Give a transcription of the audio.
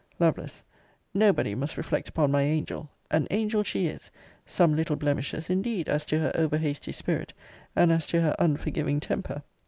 Lovel. Nobody must reflect upon my angel! An angel she is some little blemishes, indeed, as to her over hasty spirit, and as to her unforgiving temper.